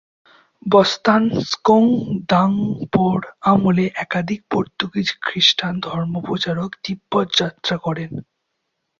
ব্স্তান-স্ক্যোং-দ্বাং-পোর আমলে একাধিক পর্তুগীজ খ্রিষ্টান ধর্মপ্রচারক তিব্বত যাত্রা করেন।